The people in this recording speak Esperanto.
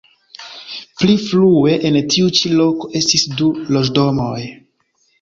Pli frue en tiu ĉi loko estis du loĝdomoj.